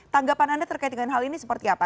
tanggapan anda terkait dengan hal ini seperti apa